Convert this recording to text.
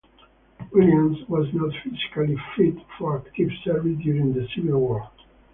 Williams was not physically fit for active service during the Civil War.